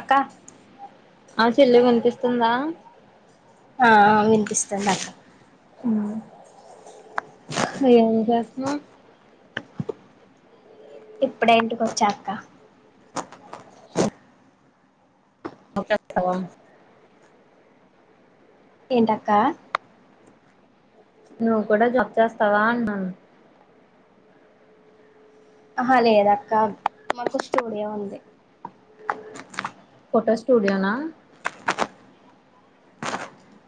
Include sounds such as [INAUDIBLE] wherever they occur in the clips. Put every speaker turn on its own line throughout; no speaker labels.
అక్క
ఆ చెల్లె వినిపిస్తుందా
ఆ వినిపిస్తుంది అక్క
ఏం జేస్తున్నావ్
ఇప్పుడే ఇంటికి వచ్చా అక్క
ఒకటే వస్తవా
ఏంటక్కా
నువ్వు కూడా జాబ్ చేస్తావా అంటున్
అహా లేదక్క మాకు స్టూడియో ఉంది
ఫోటో స్టూడియోనా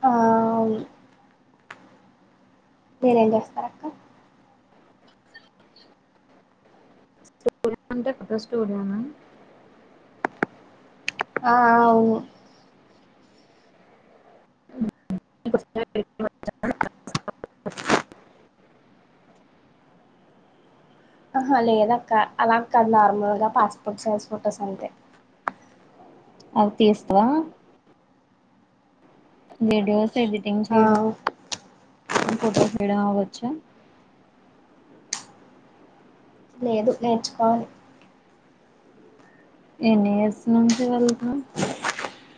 ఆ అవును మీరెం ఏం జేస్తారు అక్క
స్టూడియో అంటే ఫోటో స్టూడియో నా
ఆ ఆ అవును
[INAUDIBLE]
ఆహా లేదక్క అలాగ్ కాదు నార్మల్ గా పాస్పోర్ట్ సైజ్ ఫొటోస్ అంతే
అవి తీస్తవ వీడియోస్ ఎడిటింగ్
ఆ
చేయడం ఫొటోస్ తియడం వచ్చా
లేదు నేర్చుకోవాలి
ఎన్ని ఇయర్స్ నుంచి వెళ్తున్నావ్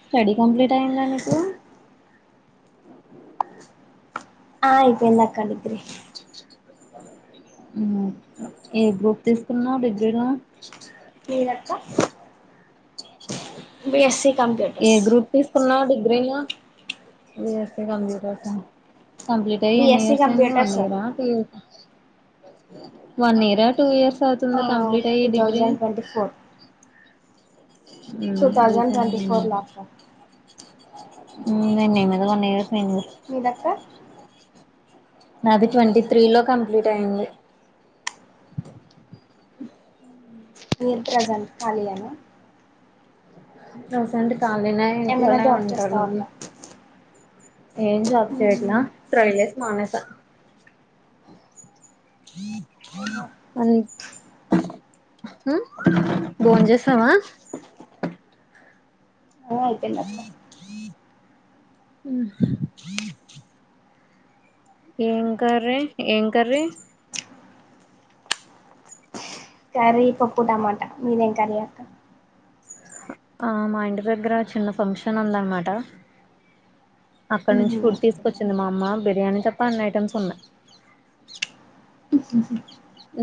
స్టడీ కంప్లీట్ అయిందా నీకు
ఆ అయిపోయింది అక్క డిగ్రీ
ఉ ఏ గ్రూప్ తీసుకున్నావ్ డిగ్రీలో
ఏదక్క బి ఎస్ సి
ఏ గ్రూప్ తీసుకున్నావ్ డిగ్ గ్రీ లో బి ఎస్ సి కంప్యూటర్సా కంప్లీట్ అయి ఎన్ని
బిఎస్సి
ఇయర్స్ అయింది వన్
కంప్యూటర్స్
ఇయర్ ఆ టూ ఇయర్ వన్ ఇయర్ ఆ టూ ఇయర్స్
ఆ
అవుతుందా కంప్లీట్ అయ్యి
two
degree
thousand twenty four two thousand ట్వ ఫోర్ లా అక్క
హు నిన్ [INAUDIBLE]
మీదక్క
నాది ట్వంటీ త్రీ లో కంప్లీట్ అయింది
మీరు ప్రజెంట్ కలియేన
రీసెంట్ కాలినే
ఏమైనా
ఇంట్లోనే
జాబ్
ఉంటాను
చేస్తావా అక్క
ఏం జాబ్ చేయట్లా
హ్మ్
ట్రై చేసి మానేశా
ఓహో ఆ
అన్ హు బోంజెసావ
అయిపోయింది అక్క
మ్ ఏం కర్రీ ఏం కర్రీ
కర్రీ పప్పు టమాటా మీదేం కర్రీ అక్క
ఆ మా ఇంటి దగ్గర చిన్న ఫంక్షన్ ఉందన్నమాట అక్కడ నుంచి
ఉహు
ఫుడ్
అక్కడికి వెళ్ళారా
తీసుకొచ్చింది మా అమ్మా బిర్యానీ తప్ప అన్ని ఐటమ్స్ ఉన్నాయి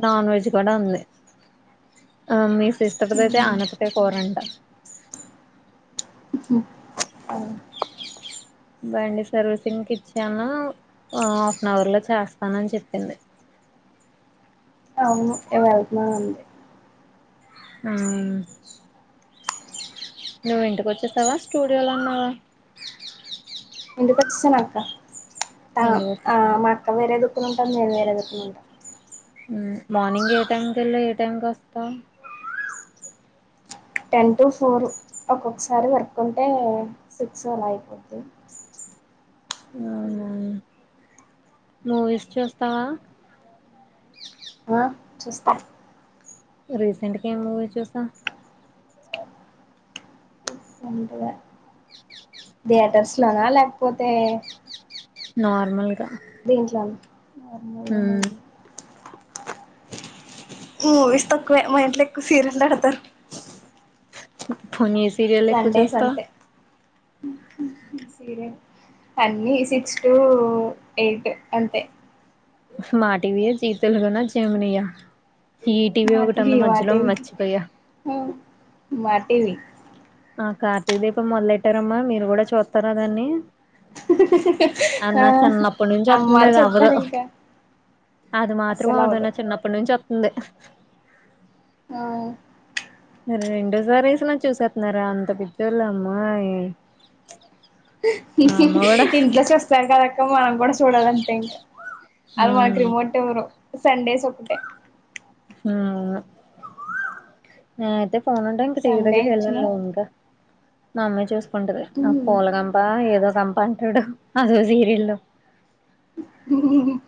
నాన్ వెజ్ కూడా ఉంది ఆ మీ సిస్టర్ ది అయితే
హ్మ్
ఆనపకయా కూరంట బండి సర్వీసింగ్కి ఇచ్చాను హాఫ్ అన్ అవర్ లో చేస్తానని చెప్పింది
అవును ఇ వెళ్తున్నా అంది
హు మ్ నువ్వు ఇంటికి వచ్చేస్తావా స్టూడియోలోన్నావా
ఇంటికొచ్చేసాణక్క ఆ
ఇంటికి
ఆ
వచ్చేసాను
మ అక్క వేరే దిక్కునుంటది నేను వేరే ద నుంట
హు మార్నింగ్ ఏ టైం కేళ్ళి ఏ టైంకి వస్తావ్
టెన్ టు ఫోర్ ఒక్కొక్కసారి వర్క్ ఉంటే సిక్స్లా అలా అయిపోతది
అవునా మూవీస్ చూస్తావా
ఆ చూస్తా
రీసెంట్గా ఎం మూవీ చూసావ్
ట్గా థియేటర్స్ లోనా లేకపోతే
నార్మల్ గా
దీంట్లోనా
హు
నార్మల్ మూవీస్ తక్కువే మా ఇంట్లో ఎక్కువ సీరియల్ ఎడతారు
పోని
సండేస్ అంతే సీర అన్ని సిక్స్ టు ఎయిట్ అంతే
మార్టివియా జీ తెలుగు నా జెమిని యా
మాటివి మాటివి మాటివి
ఆ కార్తీక దీపం మొదలెట్టారమ్మా మీరు కూడా చూత్తారా దాన్ని
ఆ
అన్న చిన్నప్పటి నుంచి చెస్తుంది
అమ్మాలు
అవదు
చూస్తారు ఇంకా
అది మాత్రం
అస్సలు అవ్వదు
అవదున్న చిన్నప్పటి నుంచి చెత్ [UNINTELLIGIBLE]
ఆ
రెండోసారి వేసిన చూసేస్తున్నారా అంత పిచోళ్ళ అమ్మాయి మా అమ్మ కూడా
ఇంట్లో చూస్తారు కదక్క మనం కూడా చూడాలంతే ఇంకా అది మనకి
ఉమ్
రిమోట్ ఇవ్వరు. సండేస్ ఒకటే
హ్మ్మ్ హ్మ్మ్ ఐతే ఫోన్ ఉంటే ఇంక టీ వీ
సండే
దగ్గర
ఇచ్చిన
వెళ్ళన్లే ఇంకా మా అమ్మాయి చూస్ ఉంటది నా పూలగంప ఏదో సంపంటడు అద సీరిలు
[UNINTELLIGIBLE]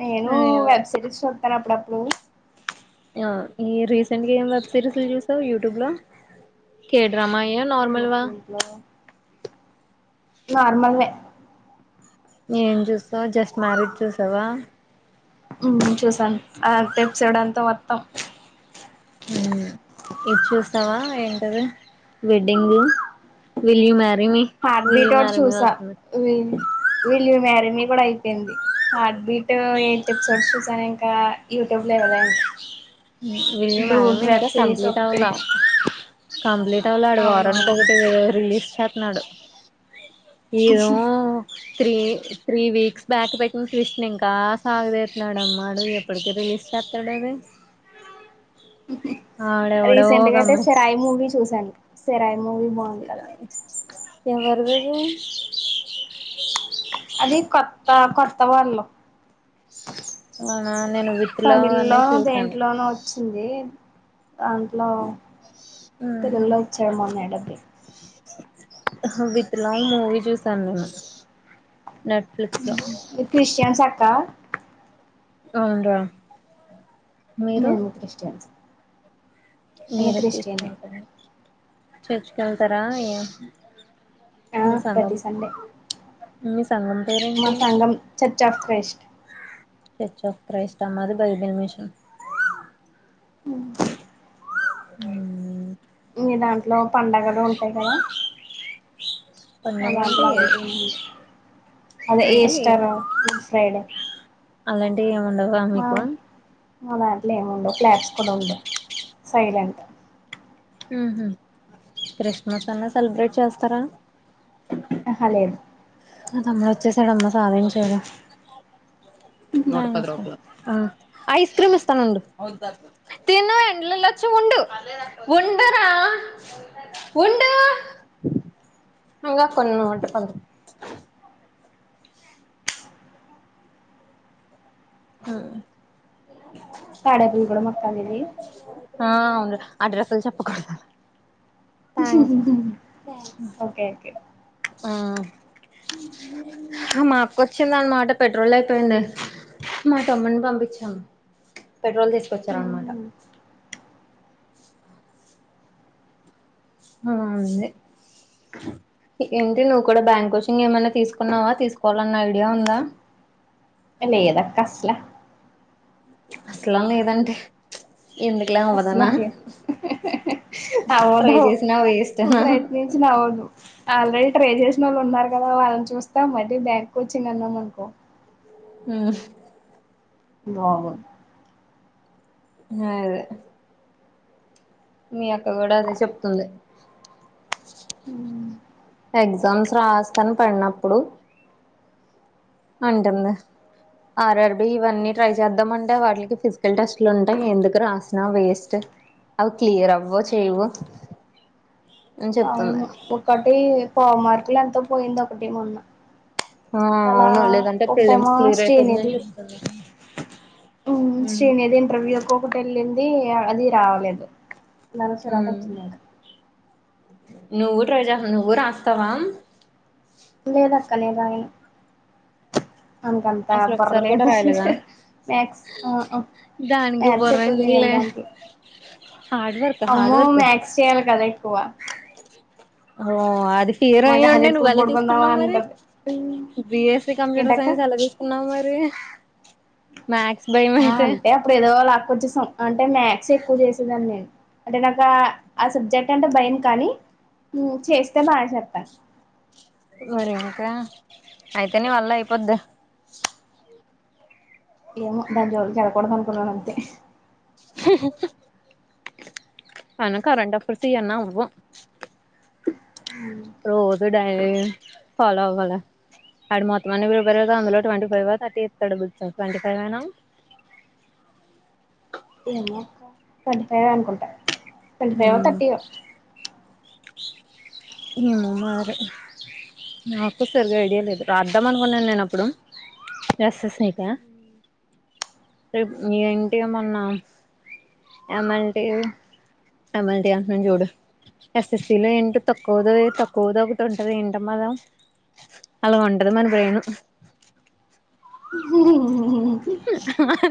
నేను
ఆ
వెబ్సైరీస్ చూస్ సారా అప్పుడు అప్పుడు
ఆ ఈ రీసెంట్ గా ఏం వెబ్ సిరీస్ చూసావు యూట్యూబ్ లో యా
పెళ్లి
నార్మల్ వా
చూపుల నార్మల్నే
ఏం చూసావ్ జస్ట్ మ్యారేజ్ చూసావా
హ్మ్మ్ చూసాను ఆ ఎపిసోడ్ అంతా మొత్తం
హ్మ్మ్ ఇది చూస్తావా ఏంటది wedding the will you marry me
heart
will
beat
you
ఒకటి
మ్యారీ మీ
చూసా
వస్తుంది
ఇది విల్ యూ మ్యారీ మీ కూడా అయిపోయింది హార్ట్ బీట్ యైట్ ఎపిసోడ్స్ చూసా ఇంకా యూట్యూబ్ లో ఇవ్వాళే ఇంక
హ్మ్మ్ విల్ యూ మ్యారీ మీ ఇంకా కంప్లీట్
ఒకటి
అవ్వలే కంప్లీట్ అవ్వలే వాడు వారానికి
అవునవును
ఒకటి రిలీజ్ చేత్నాడు ఏదో త్రీ త్రీ వీక్స్ బ్యాక్ పెట్టిన చూసిన ఇంకా ఆ సాగుదీస్తున్నాడు అమ్మా ఎప్పటికి రిలీజ్ చేస్తాడది.
రీసెంట్గా
ఒక
అయితే
అమ్మాయి
సోరాయి మూవీ చూసాను సోరాయి మూవి బాగుంది కదా
ఎవరిదిది
కొత్తా కొత్తవాళ్ళు
అవునా నేను విత్ లవ్
తమిళ్ లో‌
అనేది చూసాను
దేంట్లోనొ వచ్చింది దాంట్లో తెలుగులో ఇచ్చాడ మన్నాడు
విత్ లవ్ మూవీ చూసాను నేను నెట్ఫ్లిక్స్ లో
[UNINTELLIGIBLE] కా
అవున రా
నేను క్రిస్టియన్స్ నేను
మీరు
క్రిస్టియనే
[INAUDIBLE] చేచ్చుకెళ్తారా ఏ
ఆ ప్రతి సండే
మీ సంఘం
మా
పేరేంటి
సంఘం church of Christ
church of Christ అమ్మ అది బైబిల్ మిషన్ ఉ
మీ దాంట్లో పండగలు ఉంటాయి కదా మా
పండగలు
దాంట్లో
అంటే
అలాంటి ఏడి అదే
అంటే
ఈస్టర్ గుడ్ ఫ్రైడే
అలాంటివి ఏ ఉండవుగా
మా
మీకు
మా దాంట్లో ఏమి ఉండవు క్లాబ్స్ కూడా ఉండవు సైలెంట్
హ క్రిస్మస్ అన్నా సెలబ్రేట్ చేస్తారా
అహా లేదు
మ్మ వచ్చేసాడు అమ్మ సాధయం చేయడు ఐస్ క్రీమ్ ఇస్తానుండు తి [INAUDIBLE] ఉండు ఉడురా ఉ ఇకా కొన్ని ఊ
తాడేపల్లిగూడెం అక్క మీది
ఆ అవును అడ్రసులు చెప్పకూడదు థ్యాంక్స్
ఓకే ఓకే
ఆ మా అక్కొచ్చిందాన్నమాట పెట్రోల్ అయిపోయింది మా తమ్మని పంపించాము పెట్రోల్ తె వచ్చార అన్నమాట అంది ఏంటి నువ్వు కూడా బ్యాంక్ కోచింగ్ ఏమైనా తీసుకున్నావా తీసుకోవాలన్న ఐడియా ఉందా
ఏ లేదక్కా అసలు
అసలాం లేదంటే ఎందుకులే అవ్వదనా
వస్తున్నారు అవ్వదు
ట్రై చేసినా వేస్టేనా
ప్రయత్నించిన అవ్వదు ఆల్రెడీ ట్రే చేసిన వాళ్ళు ఉన్నారు కదా వాళ్ళని చూస్తా మరీ బ్యాంక్కు వచ్చింది అన్నాం అనుకో
ఊ
బాగోదు
అ అదే మీ అక్కడ కూడా అదే చెప్తుంది
ఉ
ఎగ్జామ్స్ రాస్తాను పడినప్పుడు ఉంటుంది ఆర్ఆర్బి ఇవన్నీ ట్రై చేద్దాం అంటే, వాటికి ఫిజికల్ టెస్ట్లు ఉంటాయి. ఎందుకు రాసిన వేస్ట్ అవి క్లియర్ అవ్వవ్ చేయవు. అని చెప్తుంది
అవును ఒకటి పావు మార్కులు ఎంతో పోయింది. ఒకటి మొన్న
ఆ
ఇంకా అలా
అవును లేదంటే ప్రిలిమ్స్
ఒకటేమో
క్లియర్ అయిపోతుందని
శ్రీనిధి
చెప్తుంది
ఉమ్ శ్రీనిది ఇంటర్వ్యూలకు ప్పుకు వెళ్ళింది అది రావలేదు నర చరా కొ వచ్చింది ఏ
నువ్వు ట్రై చేస్తనవ నువ్వు రాస్తావా
లేదక్క నేను రాయను అంతంత
అసలు
బుర్ర
ఒకసారి కూడా
లేదు
రాయలేదా
మ్యాథ్స్
దానికి
మ్యాథ్స్
బుర్ర
ఎక్కువ చెయాలి
ఎందుకులే
దాంట్లో
హార్డ్ వర్క్ హార్డ్
అమ్మో
వర్క్
మ్యాథ్స్ చెయాలి కదా కోవ
ఓ ఆది హీరో అయ్యి ఉండి నువ్వు
ఎప్పుడు
ఎలా
పడుకుందామా
తీసుకున్నావు మరి.
అంటది
బిఎస్సి కంప్యూటర్
ఏంటక్క
సైన్స్ ఎలా తీసుకున్నావు మరి. మ్యాథ్స్ భయం
ఆ
అయితే
అంటే అప్పుడు ఏదోలా కొచ్చం అంటే మ్యాథ్స్ ఎక్కువ చేసేదాన్ని నేన్ అంటే నాకు ఆ సబ్జెక్ట్ అంటే భయం కానీ ఉమ్ చేస్తే మాట చెప్తా
సరే ఇంకా అయితే నీ వల్ల అయిపోద్ద
ఏమో దాని జోలు కెళ్లకూడదు అనుకున్నాను అంతే
అనుకురెంటప్పుడుతి అన్నావు నువ్వు రోజు డైలీ ఫాలో అవ్వాలా అడు మొత్తం అనే ప్రీపేర్ ఐతే అందులో ట్వంటీ ఫైవ్ ఒ తర్టీ ఇత్తడు. బు ట్వంటీ ఫైవ్ అనా
ఏమో అక్క ట్వంటీ ఫైవ్ ఏ అనుకుంట ట్వంట ఫైవ్ ఒ థర్టీఓ
ఏమమ్మ నాకు సరిగా ఐడియా లేదు. రాద్దాం అనుకున్నాను నేను అప్పుడు ఎస్ఎస్ రేపు ఏంటి ఏమన్నా ఏమంటివి ఎల్టి అని చూడు ఎస్ఎసి లో ఏంటో తక్కువో తక్కువద ఒకటి ఉంటది. ఏంటమాద అలా ఉంటది మన బ్రెయిను.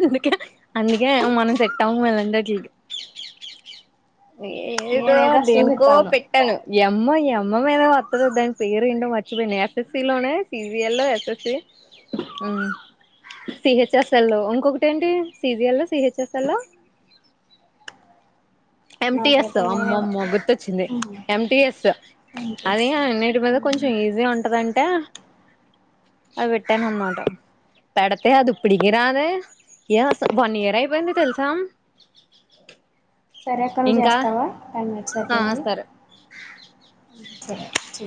అందుకే అందుకే మనం సెట్ అవ్వం ఇలాంటివాటికి ఏదో
నేనైతే అసలు
దేనికో
సెట్ అవ్వను
పెట్టాను ఎమ్మో అమ్మ మీద వస్తది దాని పేరు ఏంటో మర్చిపోయాను. ఎస్ఎస్సి లోనే సిబఎల్ లో ఎస్ఎస్సి ఉ సిహెచ్ఎస్ఎల్ లో ఇంకొకటి ఏంటి సిజిఎల్లో సిహెచ్ఎస్ఎల్లో ఎంటిఎస్
నాకైతే ఐడియా
అమ్మ
లేదక్క
అమ్మ గుర్తొచ్చింది ఎమ్ టిఎస్ అది అన్నిటి మీద కొంచెం ఈజీ ఉంటదంటే అది పెట్టాను. అన్నమాట పెడితే అది ఇప్పడికి రాదే ఇ వన్ ఇయర్ అయిపోయింది. తెలుసా
సరేక్క నువ్
ఇంకా
చేస్తన్ అ నెక్స్ట్
ఆ
అయిపోయింది
సరే
సరే